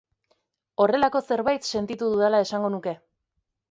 Horrelako zerbait sentitu dudala esango nuke.